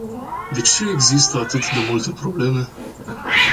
De ce există atât de multe probleme?